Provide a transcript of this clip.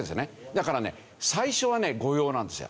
だからね最初は誤用なんですよ。